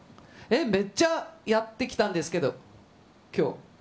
めっちゃやってきたんですけど、きょう。